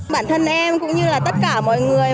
bản thân em cũng như là tất cả mọi người